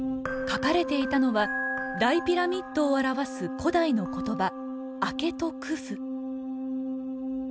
書かれていたのは大ピラミッドを表す古代の言葉「アケト・クフ」。